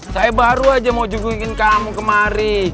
saya baru aja mau jukuin kamu kemari